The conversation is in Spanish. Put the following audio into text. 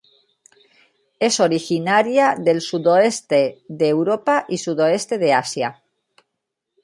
Es originaria del sudoeste de Europa y sudoeste de Asia.